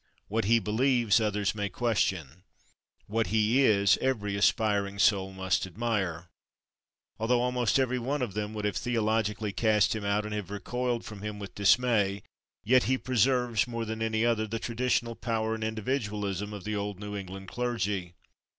What he believes, others may question. What he is, every aspiring soul must admire. Although almost every one of them would have theologically cast him out and have recoiled from him with dismay, yet he preserves more than any other the traditional power and individualism of the old New England clergy.